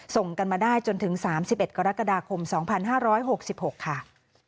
ส่งกันมาได้จนถึง๓๑กรกฎาคม๒๕๖๖ค่ะ